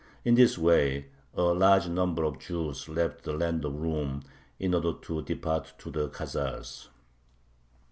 In this way a large number of Jews left the land of Rum in order to depart to the Khazars.